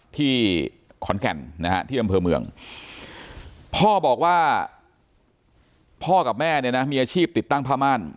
ที่ขอนแก่นนะฮะที่อำเภอเมืองพ่อบอกว่าพ่อกับแม่เนี่ยนะมีอาชีพติดตั้งผ้าม่าน